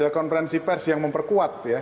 konferensi pers yang memperkuat